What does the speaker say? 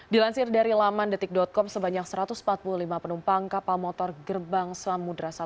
dilansir dari laman detik com sebanyak satu ratus empat puluh lima penumpang kapal motor gerbang samudera satu